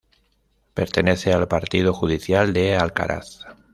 Pertenece al partido judicial de Alcaraz.